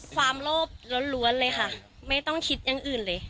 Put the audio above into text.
ความโลภล้วนเลยค่ะไม่ต้องคิดอย่างอื่นเลย